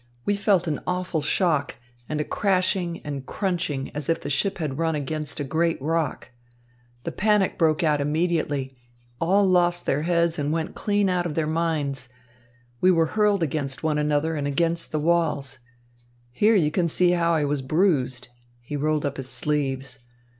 We felt an awful shock, and a crashing and crunching as if the ship had run against a great rock. The panic broke out immediately. All lost their heads and went clean out of their minds. We were hurled against one another and against the walls. Here you can see how I was bruised." He rolled up his sleeves.